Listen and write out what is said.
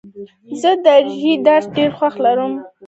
زه دری لورګانې او یو زوی لرم.